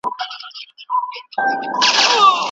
څېړونکی د نوي موضوع لټه کوي.